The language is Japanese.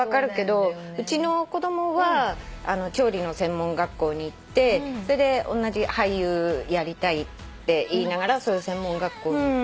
うちの子供は調理の専門学校に行ってそれでおんなじ俳優やりたいって言いながらそういう専門学校に行って。